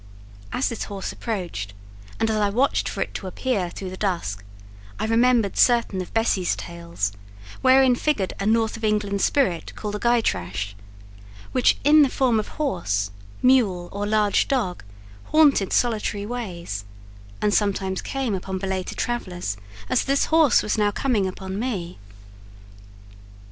As this horse approached, and as I watched for it to appear through the dusk, I remembered certain of Bessie's tales, wherein figured a North of England spirit called a "Gytrash," which, in the form of horse, mule, or large dog, haunted solitary ways, and sometimes came upon belated travellers, as this horse was now coming upon me.